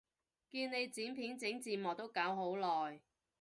見你剪片整字幕都搞好耐